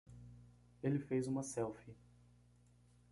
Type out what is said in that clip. Ele fez uma selfie.